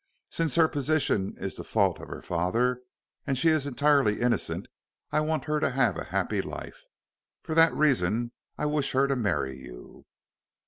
Since her position is the fault of her father, and she is entirely innocent, I want her to have a happy life. For that reason I wish her to marry you."